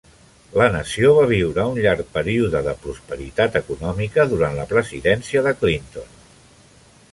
La nació va viure un llarg període de prosperitat econòmica durant la presidència de Clinton.